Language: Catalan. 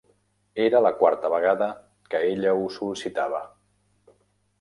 Era la quarta vegada que ella ho sol·licitava.